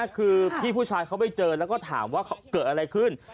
คือพี่ผู้ชายเขาไปเจอแล้วก็ถามว่าเกิดอะไรขึ้น